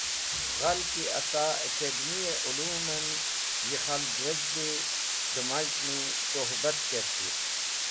Ghal ki aca Akademi-e ulum en yi khalg wezdi dẽ maz̃h’ni suhbat kerti.